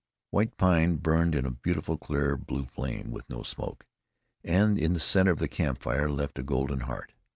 White pine burned in a beautiful, clear blue flame, with no smoke; and in the center of the campfire left a golden heart.